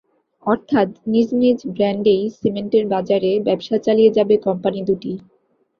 অর্থাৎ নিজ নিজ ব্র্যান্ডেই সিমেন্টের বাজারে ব্যবসা চালিয়ে যাবে কোম্পানি দুটি।